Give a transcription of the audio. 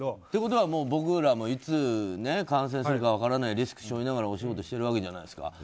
ってことは僕らもいつ感染するか分からないリスクを背負いながら仕事してるわけじゃないですか。